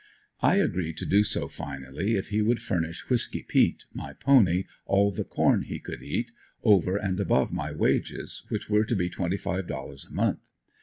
I agreed to do so finally if he would furnish "Whisky peat," my pony, all the corn he could eat over and above my wages, which were to be twenty five dollars a month.